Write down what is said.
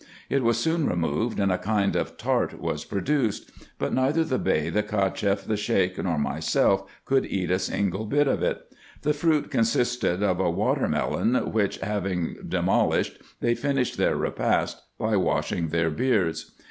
It was soon removed, and a kind of tart was pro duced ; but neither the Bey, the Cacheff, the Sheik, nor myself, could eat a single bit of it. The fruit consisted of a water melon, which having demolished, they finished their repast by washing their beards.